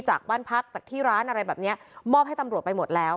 จากบ้านพักจากที่ร้านอะไรแบบนี้มอบให้ตำรวจไปหมดแล้ว